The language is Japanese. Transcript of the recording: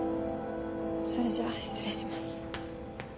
それじゃあ失礼します。